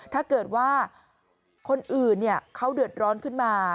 ถ้าเกิดว่าคนอื่นเขาเดือดร้อนขึ้นมา